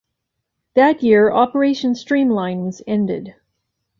That year, Operation Streamline was ended.